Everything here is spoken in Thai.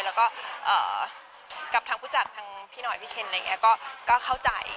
แล้วก็กับทางผู้จัดทางพี่หน่อยพี่เคนอะไรอย่างนี้ก็เข้าใจ